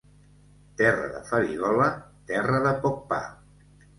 Terra de farigola, terra de poc pa.